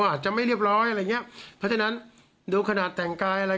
อาจจะไม่เรียบร้อยอะไรอย่างเงี้ยเพราะฉะนั้นดูขนาดแต่งกายอะไร